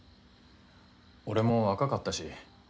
俺も若かったし。